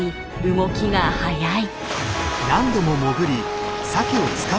動きが速い。